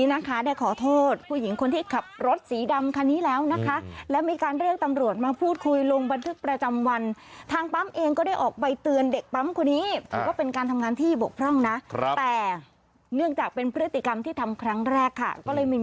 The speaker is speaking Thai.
น้องผู้ชายก็เลยขับมอเซอร์ตาม